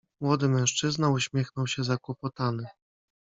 "Młody mężczyzna, uśmiechnął się zakłopotany."